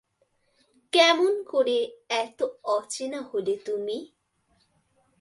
কেমন করে এত অচেনা হলে তুমি?